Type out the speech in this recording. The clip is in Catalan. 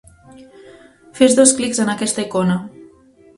Fes dos clics en aquesta icona.